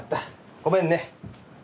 ごめんね。